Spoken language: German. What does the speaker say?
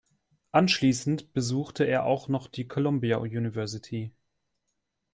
Anschließend besuchte er auch noch die Columbia University.